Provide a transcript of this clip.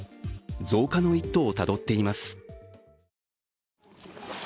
増加の一途をたどっています。